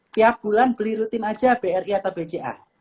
tiap bulan beli rutin aja bri atau bca